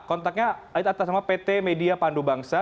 kontaknya ada di atas nama pt media pandu bangsa